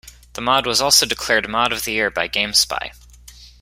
The mod was also declared Mod of the Year by GameSpy.